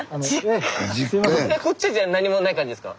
こっちじゃあ何もない感じですか？